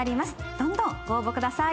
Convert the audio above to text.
どんどんご応募ください。